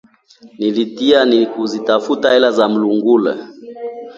Nilitia nia kuzitafuta hela za mlungule